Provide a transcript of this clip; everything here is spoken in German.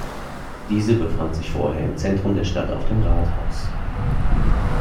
Diese befand sich vorher im Zentrum der Stadt auf dem Rathaus.